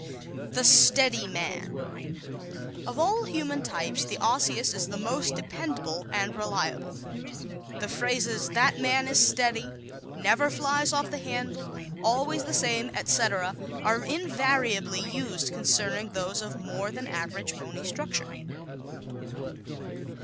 The Steady Man ¶ Of all human types the Osseous is the most dependable and reliable. The phrases, "that man is steady," "never flies off the handle," "always the same," etc., are invariably used concerning those of more than average bony structure.